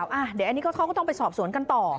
เดี๋ยวอันนี้เขาก็ต้องไปสอบสวนกันต่อ